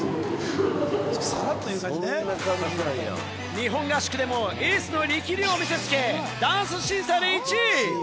日本合宿でもエースの力量を見せつけ、ダンス審査で１位。